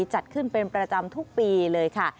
จัดขึ้นเป็นประจำทุกปีเลยค่ะ